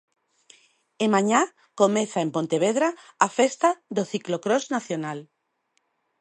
E mañá comeza en Pontevedra a festa do ciclocrós nacional.